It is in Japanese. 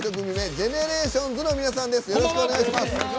ＧＥＮＥＲＡＴＩＯＮＳの皆さん。